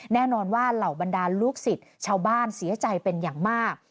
แน่นอนว่าเหล่าบรรดาลูกศิษย์ชาวบ้านเสียใจเป็นอย่างมาก